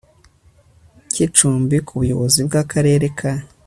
cy icumbi ku buyobozi bw Akarere ka